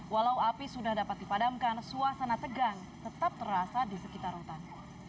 walau api sudah dapat dipadamkan suasana tegang tetap terasa di sekitar rutan